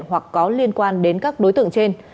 hoặc có liên quan đến các đối tượng trên